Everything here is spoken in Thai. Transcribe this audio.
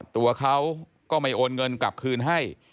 ตัวเขาก็ไม่โอนเงินกลับคืนให้